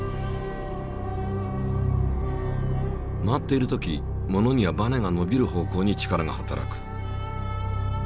回っている時ものにはバネがのびる方向に力が働く。